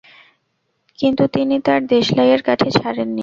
কিন্তু তিনি তাঁর দেশালাইয়ের কাঠি ছাড়েন নি।